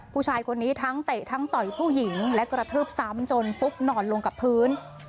ผู้ชายคนนี้ทั้งเตะทั้งต่อยผู้หญิงและกระทืบซ้ำจนฟุกนอนลงกับพื้น